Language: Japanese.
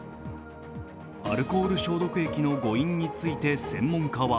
アルコール消毒液の誤飲について専門家は